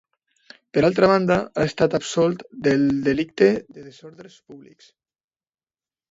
Per altra banda, ha estat absolt del delicte de desordres públics.